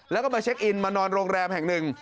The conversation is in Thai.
แล้วก็มาเช็คอินมานอนโรงแรมแห่งหนึ่ง